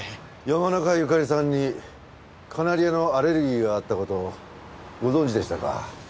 山中由佳里さんにカナリアのアレルギーがあった事ご存じでしたか？